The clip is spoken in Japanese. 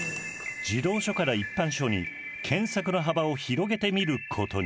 児童書から一般書に検索の幅を広げてみることに。